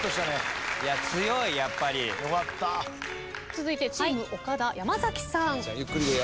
続いてチーム岡田山崎さん。